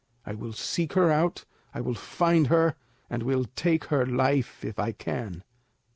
I will seek her out, I will find her, and will take her life if I can."